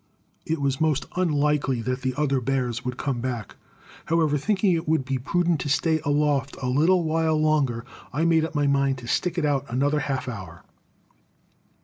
It was most unlikely the other bears would come back; however, thinking it would be prudent to stay aloft a little while longer, I made up my mind to stick it out another half hour.